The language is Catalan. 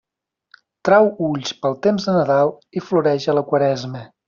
Trau ulls pel temps de Nadal i floreix a la Quaresma.